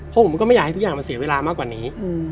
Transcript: เพราะผมก็ไม่อยากให้ทุกอย่างมันเสียเวลามากกว่านี้